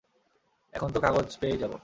এখন তো কাগজ পেয়েই যাব।